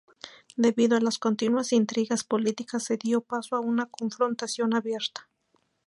Debido a las continuas intrigas políticas, se dio paso a una confrontación abierta.